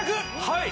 はい。